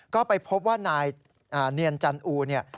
ก็ไปพบว่านายเนียนจันทร์อู๋